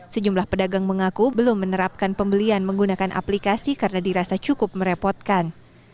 sejumlah pedagang mengaku belum menerapkan pembelian menggunakan aplikasi karena dirasa cukup merepotkan